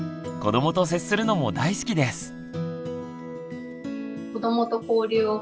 子どもと接するのも大好きです。